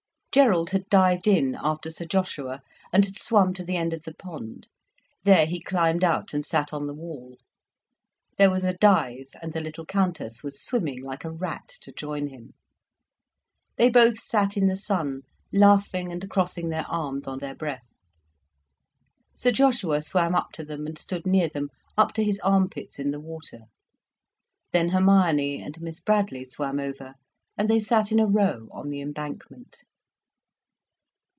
Gerald had dived in, after Sir Joshua, and had swum to the end of the pond. There he climbed out and sat on the wall. There was a dive, and the little Countess was swimming like a rat, to join him. They both sat in the sun, laughing and crossing their arms on their breasts. Sir Joshua swam up to them, and stood near them, up to his arm pits in the water. Then Hermione and Miss Bradley swam over, and they sat in a row on the embankment.